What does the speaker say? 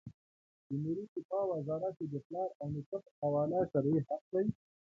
د ملي دفاع وزارت یې د پلار او نیکه په قواله شرعي حق دی.